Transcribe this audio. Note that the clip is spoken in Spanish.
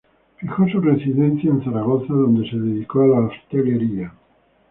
Fijó su residencia en Zaragoza, donde se dedicó a la hostelería.